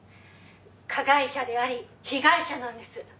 「加害者であり被害者なんです」